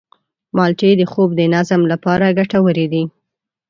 مالټې د خوب د نظم لپاره ګټورې دي.